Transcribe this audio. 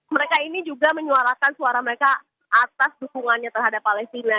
mereka ini juga menyuarakan suara mereka atas dukungannya terhadap palestina